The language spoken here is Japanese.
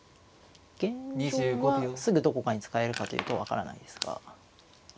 現状はすぐどこかに使えるかというと分からないですが。